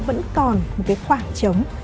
vẫn còn một khoảng trống